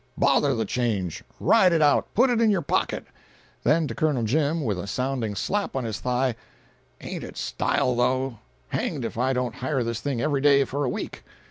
"Bother the change! Ride it out. Put it in your pocket." Then to Col. Jim, with a sounding slap on his thigh: "Ain't it style, though? Hanged if I don't hire this thing every day for a week."